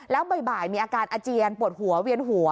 แล้วบ่ายมีอาการอาเจียนปวดหัวเวียนหัว